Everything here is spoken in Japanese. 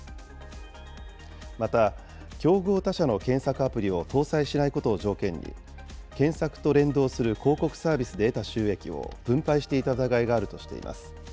また、競合他社の検索アプリを搭載しないことを条件に、検索と連動する広告サービスで得た収益を分配していた疑いがあるとしています。